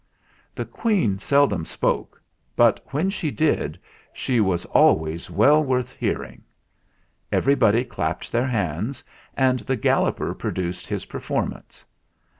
The Queen seldom spoke, but when she did she was always well worth hearing. Every body clapped their hands, and the Galloper produced his performance.